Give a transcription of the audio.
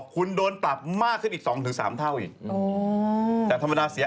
คุณโดนปรับมากขึ้นอีก๒๓เท่าอีก